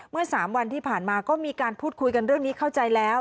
เมื่อ๓วันที่ผ่านมาก็มีการพูดคุยกันเรื่องนี้เข้าใจแล้ว